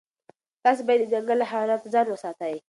تاسي باید د ځنګل له حیواناتو ځان وساتئ.